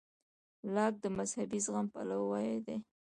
لاک د مذهبي زغم پلوی و.